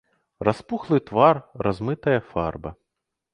Распухлы твар, размытая фарба.